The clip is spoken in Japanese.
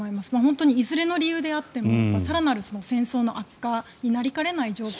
本当にいずれの理由であっても更なる戦争の悪化になりかねない状況